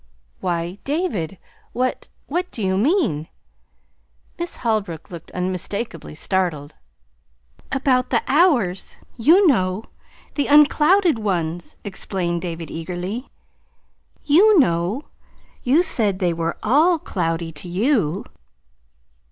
"Why, David, what what do you mean?" Miss Holbrook looked unmistakably startled. "About the hours, you know, the unclouded ones," explained David eagerly. "You know you said they were ALL cloudy to you."